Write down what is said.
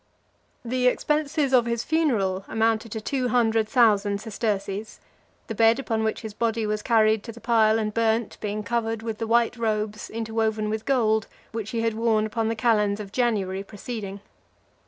L. The expenses of his funeral amounted to two hundred thousand sesterces; the bed upon which his body was carried to the pile and burnt, being covered with the white robes, interwoven with gold, which he had worn upon the calends of January preceding.